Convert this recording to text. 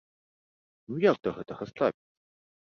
Ну як да гэтага ставіцца?